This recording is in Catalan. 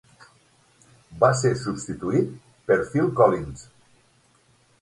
Va ser substituït per Phil Collins.